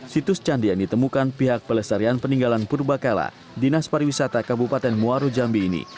situs candi yang ditemukan pihak pelestarian peninggalan purbakala dinas pariwisata kabupaten muaru jambi ini